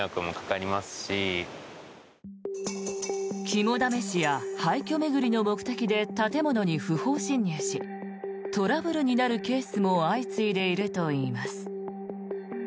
肝試しや廃虚巡りの目的で建物に不法侵入しトラブルになるケースも相次いでいるといいます。